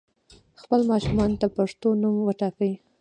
خپل ماشومانو ته پښتو نوم وټاکئ